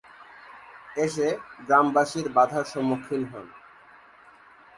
এসে গ্রামবাসীর বাধার সম্মুখীন হন।